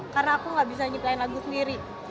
karena aku gak bisa menciptakan lagu sendiri